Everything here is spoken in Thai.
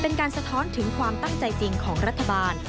สะท้อนถึงความตั้งใจจริงของรัฐบาล